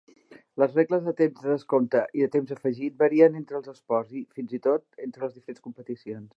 Les regles de temps de descompte i temps afegit varien entre els esports i, fins i tot, entre les diferents competicions.